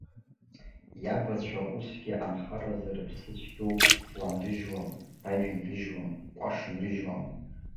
Иабацәа усгьы анхаразы рыԥсы цәгьоуп, ҵла нрыжьуам, бажә нрыжьуам, кәаш нрыжьуам.